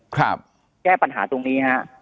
ข้้าแก้ปัญหาตรงนี้ครับ